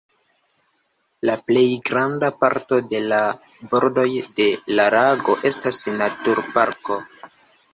La plejgranda parto de la bordoj de la lago estas naturparko.